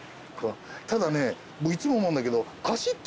ただねいつも思うんだけど。